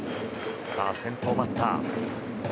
さあ先頭バッター。